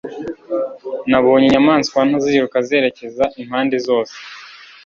Nabonye inyamaswa nto ziruka zerekeza impande zose